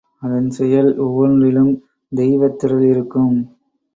அதன் செயல் ஒவ்வொன்றிலும் தெய்வத்திறல் இருக்கும்.